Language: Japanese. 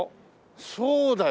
そうだよ